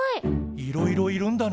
いろいろいるんだね。